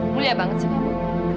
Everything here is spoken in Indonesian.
mulia banget sih kamu